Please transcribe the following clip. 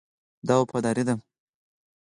دا وفاداري ده.